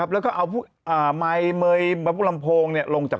แล้วก็เอาใหม่เมย์แบบฝุนลำโพงลงจาก